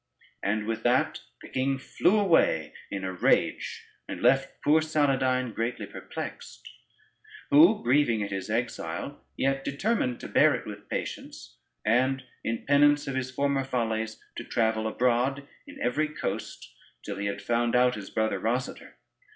And with that the king flew away in a rage, and left poor Saladyne greatly perplexed; who grieving at his exile, yet determined to bear it with patience, and in penance of his former follies to travel abroad in every coast till he had found out his brother Rosader.